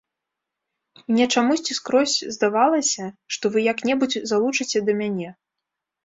Мне чамусьці скрозь здавалася, што вы як-небудзь залучыце да мяне.